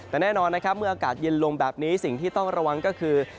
แต่แน่นอนนะครับเมื่ออากาศเย็นลงแบบนี้สิ่งที่ต้องระวังก็คือ